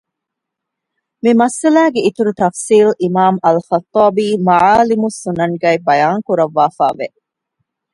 މިމައްސަލައިގެ އިތުރު ތަފްޞީލު އިމާމު އަލްޚައްޠާބީ މަޢާލިމުއް ސުނަންގައި ބަޔާންކުރަށްވާފައި ވެ